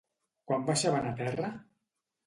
Quan baixaven a terra?